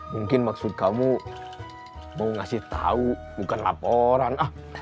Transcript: mungkin maksud kamu mau ngasih tau bukan laporan